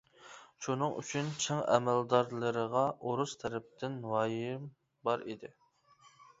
شۇنىڭ ئۈچۈن چىڭ ئەمەلدارلىرىغا ئورۇس تەرەپتىن ۋايىم بار ئىدى.